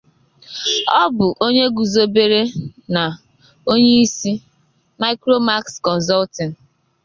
Ọ bụ onye guzọbere na onye isi, MicroMax Consulting.